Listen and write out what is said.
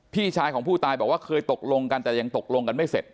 พี่ชายของผู้ตายบอกว่าเคยตกลงกันแต่ยังตกลงกันไม่เสร็จ